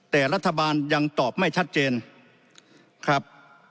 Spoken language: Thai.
แต่รัฐบาลยังตอบไม่ชัดเจนครับ